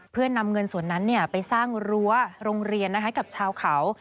เพื่อนำเงินส่วนนั้นไปสร้างรั้วโรงเรียนให้กับชาวเขา